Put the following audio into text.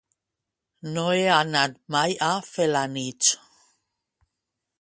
No he anat mai a Felanitx.